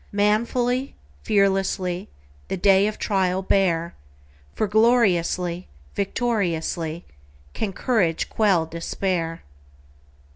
Manfully, fearlessly, The day of trial bear, For gloriously, victoriously, Can courage quell despair!